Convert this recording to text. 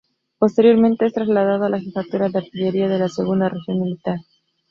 Posteriormente es trasladado a la Jefatura de Artillería de la Segunda Región Militar.